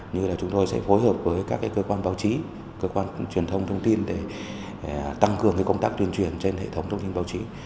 như là chúng tôi sẽ phối hợp với các cơ quan báo chí cơ quan truyền thông thông tin để tăng cường công tác tuyên truyền trên hệ thống thông tin báo chí